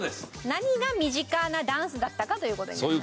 何が身近なダンスだったかという事になりますね。